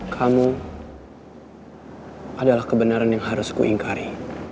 kamu adalah kebenaran yang harus kuingkari